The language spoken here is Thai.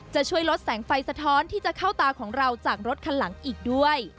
จะช่วยลดแสงไฟสะท้อนที่จะเข้าตาของเราจากรถคันหลังอีกด้วย